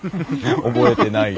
覚えてないよね。